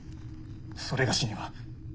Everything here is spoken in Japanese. それがしには。